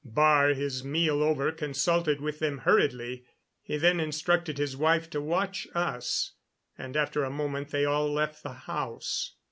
Baar, his meal over, consulted with them hurriedly. He then instructed his wife to watch us, and after a moment they all left the house.